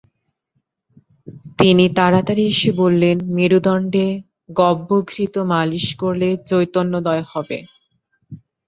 তিনি তাড়াতা়ড়ি এসে বললেন, মেরুদণ্ডে গব্যঘৃত মালিশ করলে চৈতন্যোদয় হবে।